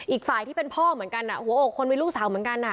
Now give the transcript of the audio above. อีกฝ่ายที่เป็นพ่อเหมือนกันหัวอกคนมีลูกสาวเหมือนกัน